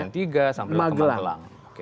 duren tiga sampai ke magelang